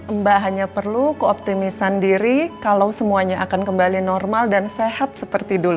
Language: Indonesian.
abang hanya perlu beroptimis sendiri kalau semuanya akan kembali normal dan sehat seperti dulu